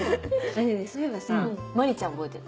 そういえばさ真里ちゃん覚えてる？